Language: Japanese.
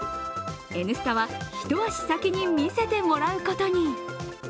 「Ｎスタ」は一足先に見せてもらうことに。